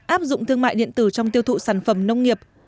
áp dụng thương mại điện tử trong tiêu thụ sản phẩm nông nghiệp